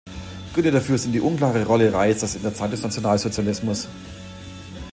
Gründe dafür sind die unklare Rolle Reisers in der Zeit des Nationalsozialismus.